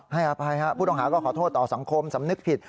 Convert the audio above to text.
ให้อภัยครับผู้ต้องหาก็ขอโทษต่อสังคมสำนึกผิด